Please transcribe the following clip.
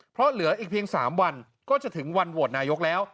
เพราะเหลืออีกเพียง๓วันก็จะถึงวันโหวตนายกแล้ว